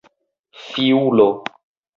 fiulo